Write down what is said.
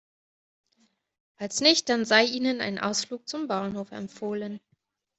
Falls nicht, dann sei Ihnen ein Ausflug zum Bauernhof empfohlen.